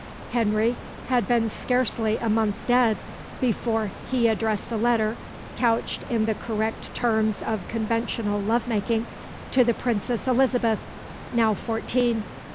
Henry had been scarcely a month dead before he addressed a letter, couched in the correct terms of conventional love making, to the Princess Elizabeth, now fourteen.